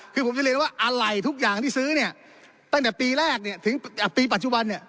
คือผมจะเรียนว่าอะไรทุกอย่างที่ซื้อเนี่ยตั้งแต่ปีแรกเนี่ยถึงปีปัจจุบันเนี่ย